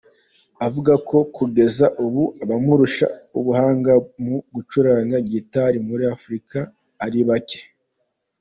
Avuga ko kugeza ubu abamurusha ubuhanga mu gucuranga gitari muri Afurika ari bake.